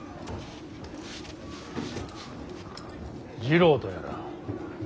次郎とやら。